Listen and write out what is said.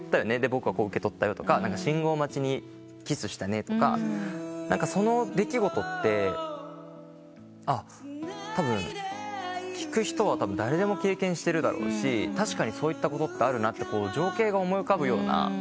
「僕はこう受け取ったよ」とか「信号待ちにキスしたね」とか何かその出来事ってたぶん聴く人は誰でも経験してるだろうし確かにそういったことってあるなって情景が思い浮かぶような歌詞で。